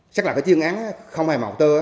chắc là cái chuyên án không hề màu tơ